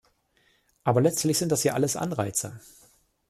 Aber letztlich sind das ja alles Anreize.